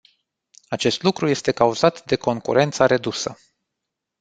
Acest lucru este cauzat de concurența redusă.